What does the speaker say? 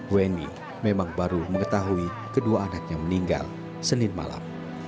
weni memang baru mengetahui kedua anaknya meninggal senin malam